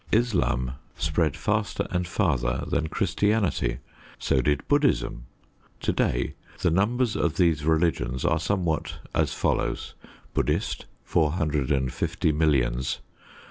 Islam spread faster and farther than Christianity. So did Buddhism. To day the numbers of these religions are somewhat as follows: Buddhist: 450 millions.